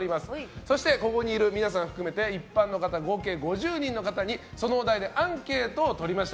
そしてここにいる皆さんを含めて一般の方、合計５０名の方にそのお題でアンケートをとりました。